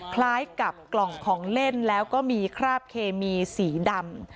คล้ายกับกล่องของเล่นแล้วก็มีคราบเคมีสีดำ